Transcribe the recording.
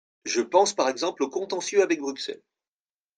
Je pense par exemple aux contentieux avec Bruxelles.